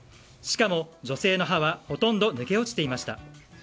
しかも、女性の歯はほとんど抜け落ちていました。